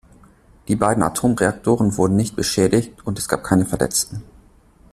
Die beiden Atomreaktoren wurden nicht beschädigt und es gab keine Verletzten.